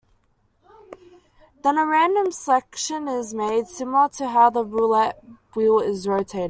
Then a random selection is made similar to how the roulette wheel is rotated.